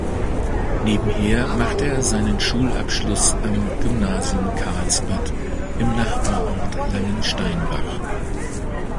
Nebenher machte er seinen Schulabschluss am Gymnasium Karlsbad im Nachbarort Langensteinbach.